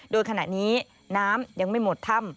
โดยขณะนี้น้ำยังไม่หมดถ้ำ